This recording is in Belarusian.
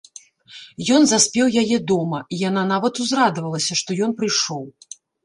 Ён заспеў яе дома, і яна нават узрадавалася, што ён прыйшоў.